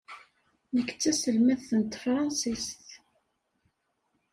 Nekk d taselmadt n tefṛansist.